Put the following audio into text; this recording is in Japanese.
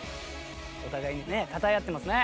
お互いねたたえ合ってますね。